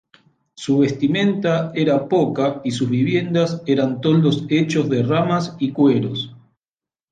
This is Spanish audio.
Su vestimenta era poca y sus viviendas eran toldos hechos de ramas y cueros.